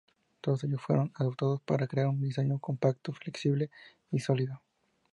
Todos ellos fueron adoptados para crear un diseño compacto, flexible y sólido.